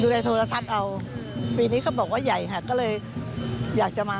ในโทรทัศน์เอาปีนี้เขาบอกว่าใหญ่ค่ะก็เลยอยากจะมา